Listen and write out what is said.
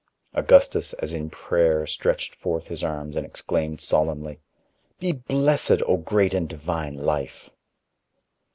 Augustus, as in prayer, stretched forth his arms and exclaimed solemnly: "Be blessed, O great and divine Life!"